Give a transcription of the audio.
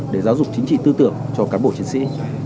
để giáo dục chính trị tư tưởng cho cán bộ chiến sĩ